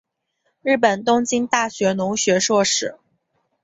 日本东京大学农学硕士。